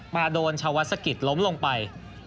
มาโดนชาวสกิจล้มลงไป